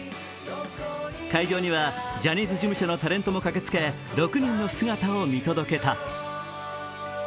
会場にはジャニーズ事務所のタレントも駆けつけ、６人の姿を見届けた。